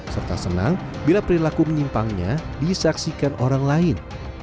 serta senang bila perilaku menyimpangnya disaksikan orang lain